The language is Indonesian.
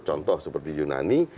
contoh seperti yunani